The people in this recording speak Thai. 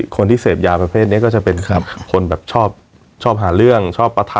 คนที่เสพยาประเภทนี้ก็จะเป็นคนแบบชอบหาเรื่องชอบปะทะ